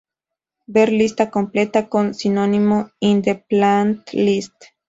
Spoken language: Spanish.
Ver lista completa con sinónimos "in" The Plant List